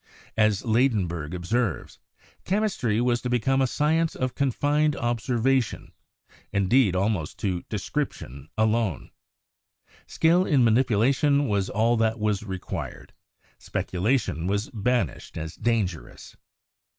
As Ladenburg observes, "Chemistry was to become a science of confined observation — indeed al most to description alone. Skill in manipulation was all that was required ; speculation was banished as dangerous.